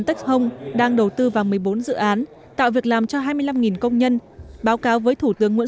tech home đang đầu tư vào một mươi bốn dự án tạo việc làm cho hai mươi năm công nhân báo cáo với thủ tướng nguyễn